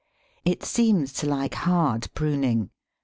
It seems to like hard pruning.